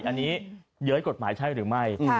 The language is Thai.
อันนี้เย้ยกฎหมายใช่หรือไม่